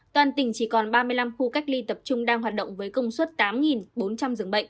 toàn tỉnh chỉ còn ba mươi năm khu cách ly tập trung đang hoạt động với công suất tám bốn trăm linh giường bệnh